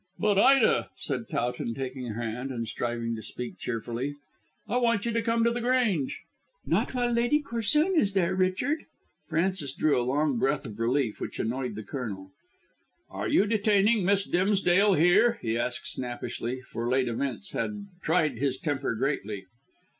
"But, Ida," said Towton, taking her hand and striving to speak cheerfully, "I want you to come to the Grange." "Not while Lady Corsoon is there, Richard." Frances drew a long breath of relief, which annoyed the Colonel. "Are you detaining Miss Dimsdale here?" he asked snappishly, for late events had tried his temper greatly.